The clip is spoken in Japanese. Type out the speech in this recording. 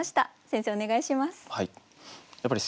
先生お願いします。